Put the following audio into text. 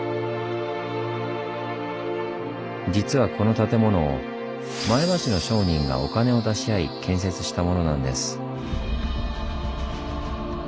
実はこの建物前橋の商人がお金を出し合い建設したものなんです。